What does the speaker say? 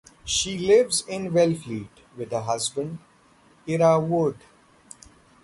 She lives in Wellfleet with her husband, Ira Wood.